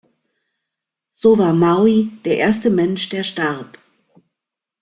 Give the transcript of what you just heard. So war Maui der erste Mensch, der starb.